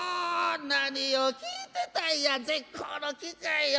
何を聞いてたんや絶好の機会を。